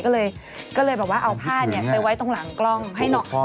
ก็เลยแบบว่าเอาภาพใส่ไว้ตรงหลังกล้องให้น้อง